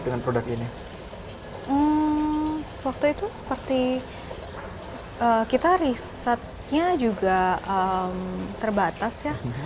dengan produk ini waktu itu seperti kita risetnya juga terbatas ya